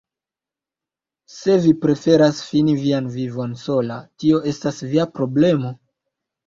Se vi preferas fini vian vivon sola, tio estas via problemo.